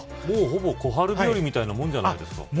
もうほぼ、小春日和みたいなもんじゃないですか。